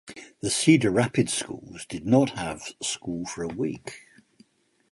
The Cedar Rapids Schools did not have school for a week.